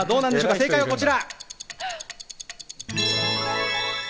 正解はこちら！